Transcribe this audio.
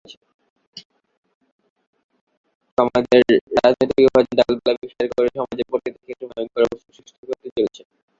রাজনৈতিক বিভাজন ডালপালা বিস্তার করে সমাজের প্রতিটি ক্ষেত্রে ভয়ংকর অবস্থার সৃষ্টি করে চলেছে।